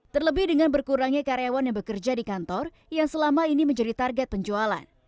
terlebih dengan berkurangnya karyawan yang bekerja di kantor yang selama ini menjadi target penjualan